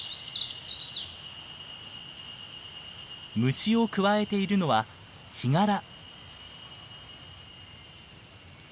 虫をくわえているのはヒガラ。